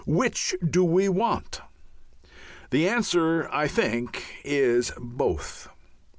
Which do we want?" The answer, I think, is "Both."